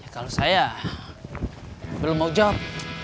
kalau saya belum mau job